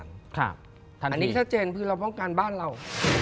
อันนี้ชัดเจนคือเราป้องกันบ้านเรา